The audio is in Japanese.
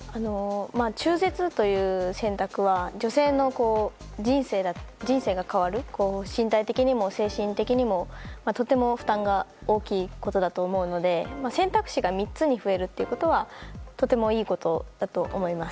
中絶という選択は女性の人生が変わる身体的にも精神的にも、とても負担が大きいことだと思うので選択肢が３つに増えることはとてもいいことだと思います。